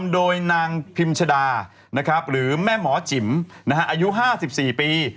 โดยนางพิมชดาหรือแม่หมอจิ๋มอายุ๕๔ปี